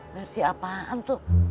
mersi apaan tuh